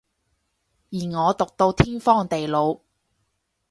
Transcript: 而我毒到天荒地老